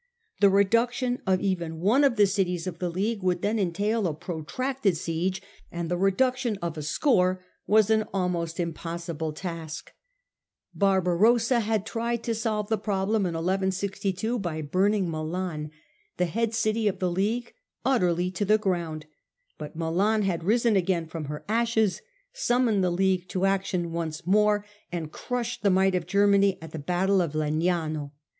The reduction of even one of the cities of the League would then entail a protracted siege, and the reduction of a score was an almost impossible task. Barbarossa had tried to solve the problem in 1162 by burning Milan, the head city of the League, utterly to the ground. But Milan had risen again from her ashes, summoned the League to action once more, and crushed the might of Germany at the battle of Legnano.